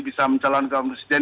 bisa mencalon keomunisian